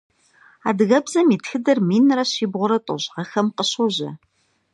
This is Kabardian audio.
Адыгэбзэм и тхыдэр минрэ щибгъурэ тӏощӏ гъэхэм къыщожьэ.